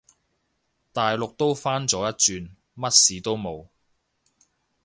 大陸都返咗一轉，乜事都冇